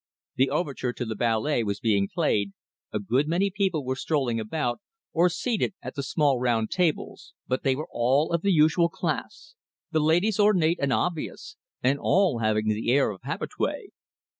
The overture to the ballet was being played, a good many people were strolling about, or seated at the small round tables, but they were all of the usual class, the ladies ornate and obvious, and all having the air of habitués.